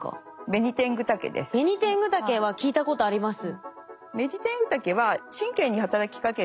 ベニテングタケは聞いたことあります。